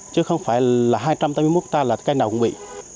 chứ không phải là hai trăm tám mươi một hectare là cây nào cũng bị